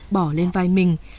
bỏ lên vai mình